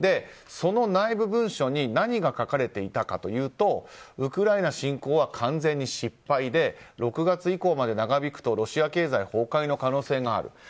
その内部文書に何が書かれていたかというとウクライナ侵攻は完全に失敗で６月以降まで長引くとロシア経済崩壊の可能性がある。